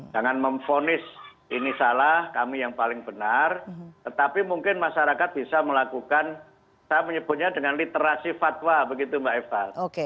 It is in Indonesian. jangan memfonis ini salah kami yang paling benar tetapi mungkin masyarakat bisa melakukan saya menyebutnya dengan literasi fatwa begitu mbak eva